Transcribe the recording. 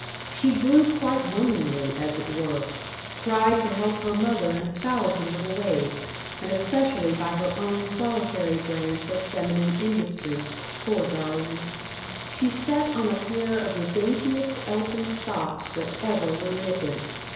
She grew quite womanly, as it were; tried to help her mother in a thousand little ways, and especially by her own solitary branch of feminine industry poor darling! She set on a pair of the daintiest elfin socks that ever were knitted.